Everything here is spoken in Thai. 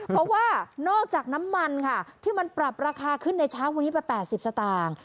เพราะว่านอกจากน้ำมันค่ะที่มันปรับราคาขึ้นในเช้าวันนี้ไป๘๐สตางค์